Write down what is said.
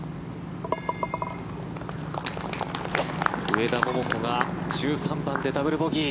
上田桃子が１３番でダブルボギー。